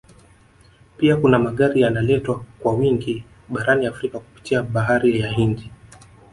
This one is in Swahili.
Pia kuna Magari yanaletwa kwa wingi barani Afrika kupitia Bahari ya Hindi